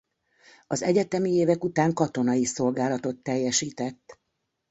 Az egyetemi évek után katonai szolgálatot teljesített.